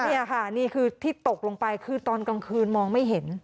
นี่ค่ะนี่คือที่ตกลงไปคือตอนกลางคืนมองไม่เห็น